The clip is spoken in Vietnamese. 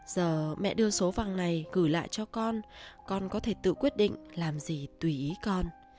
giờ mẹ đưa số vàng này gửi lại cho con con có thể tự quyết định làm gì tùy ý con